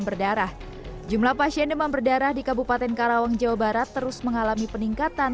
berdarah jumlah pasien demam berdarah di kabupaten karawang jawa barat terus mengalami peningkatan